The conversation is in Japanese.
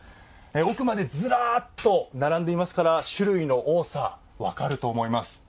奥までずらっと並んでいますから種類の多さ分かると思います。